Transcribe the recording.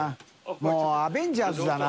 發アベンジャーズだな。